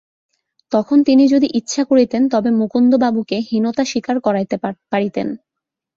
তখন তিনি যদি ইচ্ছা করিতেন তবে মুকুন্দবাবুকে হীনতা স্বীকার করাইতে পারিতেন।